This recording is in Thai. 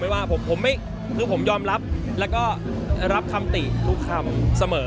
ว่าผมไม่คือผมยอมรับแล้วก็รับคำติทุกคำเสมอ